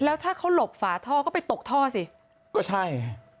แล้วถ้าเขาหลบฝาท่อก็ไปตกท่อสิก็ใช่